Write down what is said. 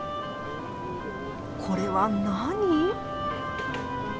これは何？